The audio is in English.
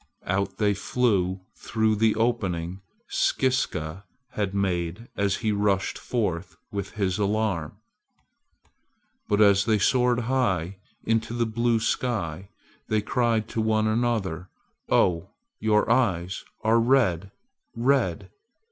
Out they flew through the opening Skiska had made as he rushed forth with his alarm. But as they soared high into the blue sky they cried to one another: "Oh! your eyes are red red!"